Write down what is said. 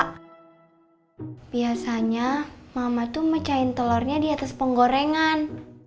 biasanya mama tuh mecahin telurnya di atas penggorengan